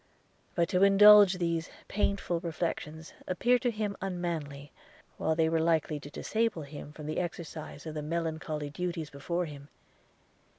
But to indulge these painful reflections appeared to him unmanly, while they were likely to disable him from the exercise of the melancholy duties before him.